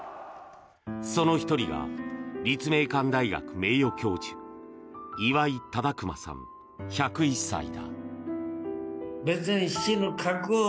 その１人が立命館大学名誉教授岩井忠熊さん、１０１歳だ。